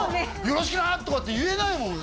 「よろしくな」とかって言えないもん